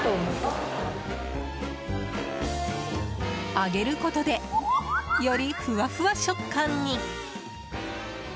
揚げることでより、フワフワ食感に！